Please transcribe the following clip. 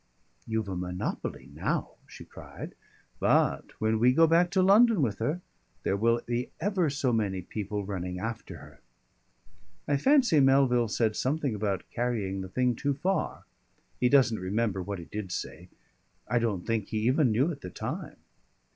"You've a monopoly now," she cried. "But when we go back to London with her there will be ever so many people running after her." I fancy Melville said something about carrying the thing too far. He doesn't remember what he did say. I don't think he even knew at the time.